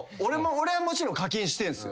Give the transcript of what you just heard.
俺はもちろん課金してんすよ。